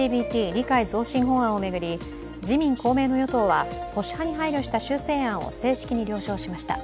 理解増進法案を巡り自民・公明の与党は保守に配慮した修正案を正式に了承しました。